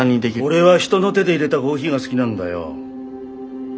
俺は人の手でいれたコーヒーが好きなんだよ。